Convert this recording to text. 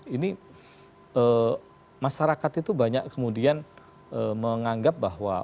ini masyarakat itu banyak kemudian menganggap bahwa